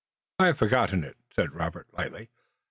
"I have forgotten it," said Robert lightly.